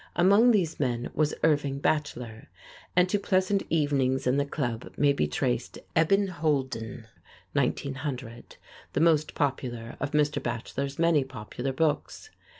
Among these men was Irving Bacheller, and to pleasant evenings in the club may be traced "Eben Holden" (1900), the most popular of Mr. Bacheller's many popular books.